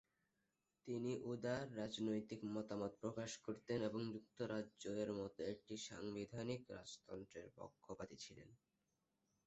তিনি উদার রাজনৈতিক মতামত প্রকাশ করতেন এবং যুক্তরাজ্য এর মতো একটি সাংবিধানিক রাজতন্ত্রের পক্ষপাতীছিলেন।